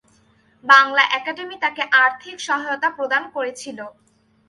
Bangla academy তাকে আর্থিক সহায়তা প্রদান করেছিল।